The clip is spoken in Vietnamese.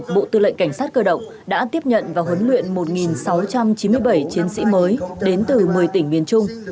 bộ tư lệnh cảnh sát cơ động đã tiếp nhận và huấn luyện một sáu trăm chín mươi bảy chiến sĩ mới đến từ một mươi tỉnh miền trung